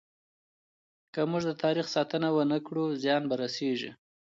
که موږ د تاريخ ساتنه ونه کړو، زيان به رسيږي.